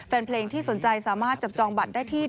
แฟนเพลงที่สนใจสามารถจับจองบัตรได้ที่